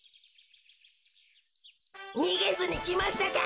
にげずにきましたか？